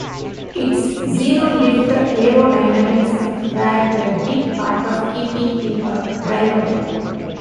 Its "zero lift" aerodynamics were a big part of keeping it drivable.